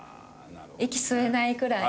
息吸えないくらい。